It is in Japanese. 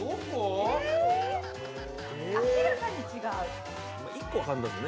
明らかに違う。